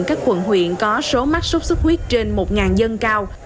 các quận huyện có số mắc sốc sức huyết trên một dân cao